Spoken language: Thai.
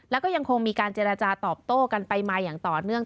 แล้วก็ยังคงมีการเจรจาตอบโต้กันไปมาอย่างต่อเนื่อง